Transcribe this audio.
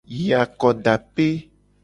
Yi akodape.